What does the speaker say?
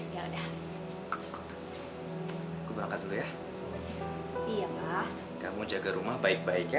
ya udah aku bangka dulu ya iya pak kamu jaga rumah baik baik ya